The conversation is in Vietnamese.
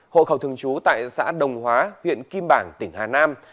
hộ khẩu thường trú tại xã đồng hóa huyện kim bảng tỉnh hà nam